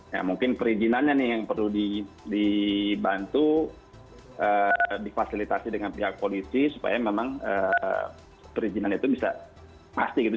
ya mungkin perizinannya nih yang perlu dibantu difasilitasi dengan pihak polisi supaya memang perizinan itu bisa pasti gitu